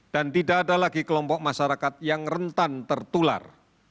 dan tidak ada lagi kelompok masyarakat yang rentan tertular